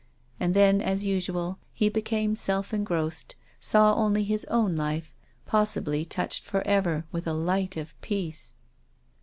And then, as usual, he became sclf cngrossed, saw only his own life, possibly touched for ever with a light of peace.